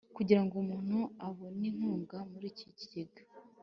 Kugira ngo umuntu abone inkunga muri iki kigega